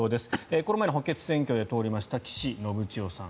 この前の補欠選挙で通りました岸信千世さん